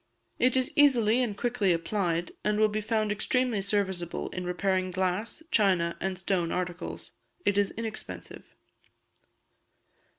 It is easily and quickly applied, and will be found extremely serviceable in repairing glass, china, and stone articles. It is inexpensive.